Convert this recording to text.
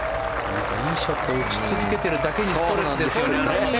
いいショットを打ち続けているだけにストレスですよね。